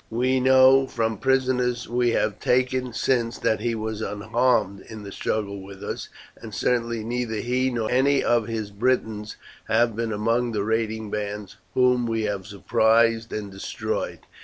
We know from prisoners we have taken since that he was unharmed in the struggle with us, and certainly neither he nor any of his Britons have been among the raiding bands whom we have surprised and destroyed.